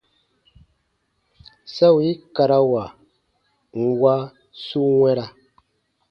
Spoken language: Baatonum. Sa wii karawa nwa su wɛ̃ra.